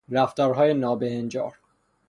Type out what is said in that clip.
رفتارهای نابههنجار